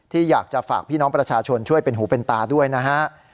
ที่อยากจะฝากพี่น้องประชาชนช่วยเป็นหูเป็นตาด้วยนะฮะ